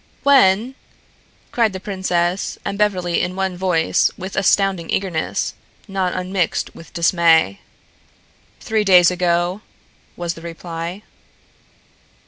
"When?" cried the princess and Beverly in one voice and with astonishing eagerness, not unmixed with dismay. "Three days ago," was the reply.